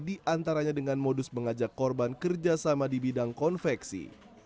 diantaranya dengan modus mengajak korban kerjasama di bidang konveksi